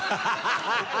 ハハハハ！